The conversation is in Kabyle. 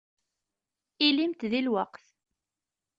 Ilimt deg lweqt.